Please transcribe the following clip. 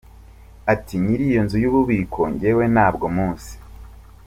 Ati “Nyir’iyo nzu y’ubu biko njyewe ntabwo muzi.